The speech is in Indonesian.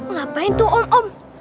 ngapain tuh om om